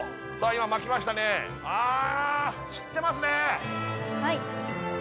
今巻きましたねあ知ってますね！